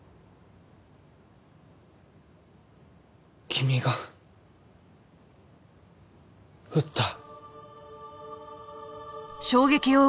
君が撃った？